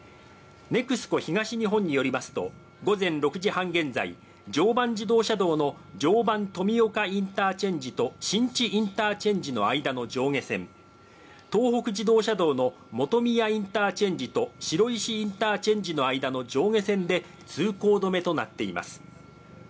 ＮＥＸＣＯ東日本によりますと、午前６時半現在、常磐自動車道の常磐富岡インターチェンジと新地インターチェンジの間の上下線、東北自動車道の本宮インターチェンジと白石インターチェンジの間の上下線で通行止めとなっています。